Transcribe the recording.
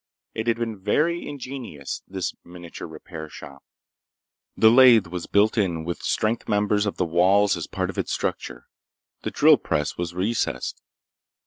It had been very ingenious, this miniature repair shop. The lathe was built in with strength members of the walls as part of its structure. The drill press was recessed.